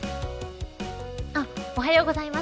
おはようございます。